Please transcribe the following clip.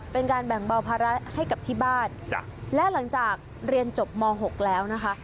เป็นการแบ่งเบาภาระให้กับที่บ้านและหลังจากเรียนจบม๖แล้วนะคะ